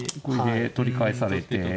これで取り返されて。